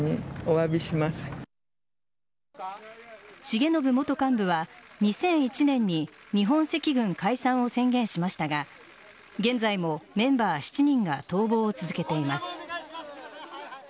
重信元幹部は２００１年に日本赤軍解散を宣言しましたが現在もメンバー７人が逃亡を続けています。